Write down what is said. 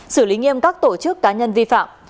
xử lý nghiêm các tổ chức cá nhân vi phạm